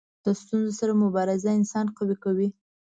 د ستونزو سره مبارزه انسان قوي کوي.